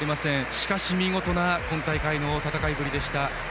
しかし見事な今大会の戦いぶりでした。